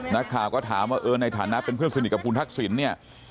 นักข่าวก็ถามว่าเออในฐานะเป็นเพื่อนสนิทกับคุณทักษิณเนี่ย